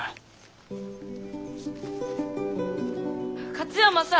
勝山さん！